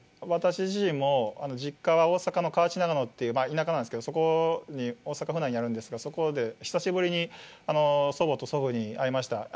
私自身も、実家は大阪の河内長野っていう田舎なんですけど、そこに大阪府内にあるんですが、そこで久しぶりに祖母と祖父に会いました。